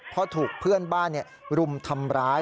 เพราะถูกเพื่อนบ้านรุมทำร้าย